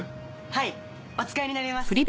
はいお使いになれます。